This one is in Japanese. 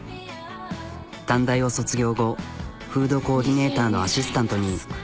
短大を卒業後フードコーディネーターのアシスタントに。